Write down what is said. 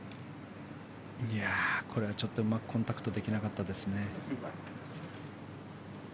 これはちょっとうまくコンタクトできなかったですね。